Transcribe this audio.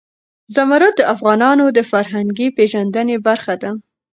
زمرد د افغانانو د فرهنګي پیژندنې برخه ده.